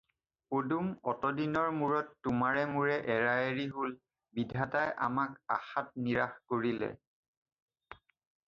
পদুম, অতদিনৰ মূৰত তোমাৰে মোৰে এৰাএৰি হ'ল! বিধতাই আমাক আশাত নিৰাশ কৰিলে!